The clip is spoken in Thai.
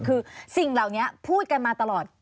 คือสิ่งเหล่านี้พูดกันมาตลอด